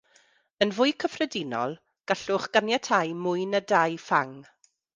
Yn fwy cyffredinol, gallwch ganiatáu mwy na dau ffang.